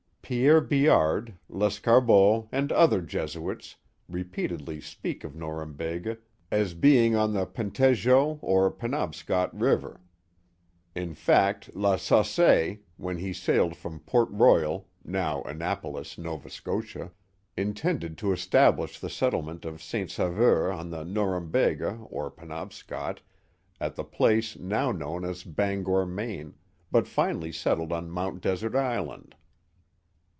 Pierre Biard, Lescarbot, and other Jesuits, repeatedly speak of Norumbega as being on the Pentegoet or Penobscot River. In fact, La Saussaye, when he sailed from Port Royal (now Annapolis, Nova Scotia), intended to establish the settle ment of St. Sauveur on the Norumbega or Penobscot, at the place now known as Bangor, Maine, but finally settled on Mount Desert Island.